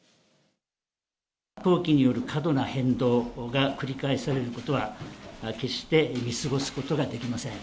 投機による過度な変動が繰り返されることは、決して見過ごすことができません。